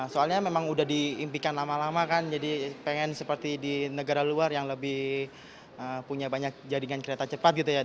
soalnya memang udah diimpikan lama lama kan jadi pengen seperti di negara luar yang lebih punya banyak jaringan kereta cepat gitu ya